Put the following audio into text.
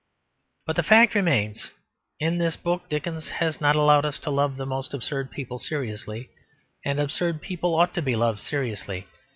But the fact remains. In this book Dickens has not allowed us to love the most absurd people seriously, and absurd people ought to be loved seriously.